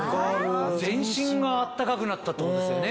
全身が暖かくなったってことですよね。